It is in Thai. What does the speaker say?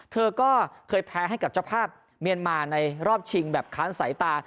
เธอก็เคยแพ้ให้กับเจ้าภาพเมียนมาในรอบชิงแบบค้านสายตา